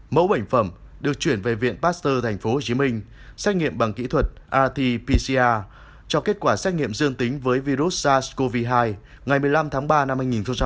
mẫu bệnh phẩm được chuyển về viện pasteur tp hcm xét nghiệm bằng kỹ thuật rt pcr cho kết quả xét nghiệm dương tính với virus sars cov hai ngày một mươi năm tháng ba năm hai nghìn hai mươi